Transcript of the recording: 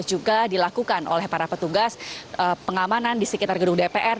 dan juga dilakukan oleh para petugas pengamanan di sekitar gedung dpr